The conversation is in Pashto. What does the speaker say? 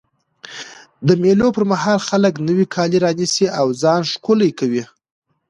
د مېلو پر مهال خلک نوی کالي رانيسي او ځان ښکلی کوي.